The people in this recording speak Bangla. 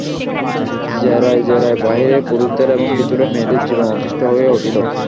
জেরায় জেরায় বাহিরে পুরুষদের এবং ভিতরে মেয়েদের জীবন অতিষ্ঠ হইয়া উঠিল।